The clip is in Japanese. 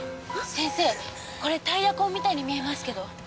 先生これタイヤ痕みたいに見えますけど。